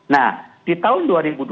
nah di tahun